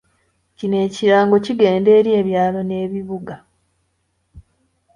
Kino ekirango kigenda eri ebyalo n’ebibuga.